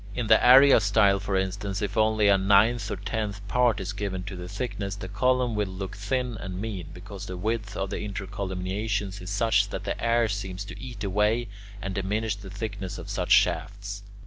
In the araeostyle, for instance, if only a ninth or tenth part is given to the thickness, the column will look thin and mean, because the width of the intercolumniations is such that the air seems to eat away and diminish the thickness of such shafts.